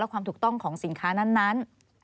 ความถูกต้องของสินค้านั้น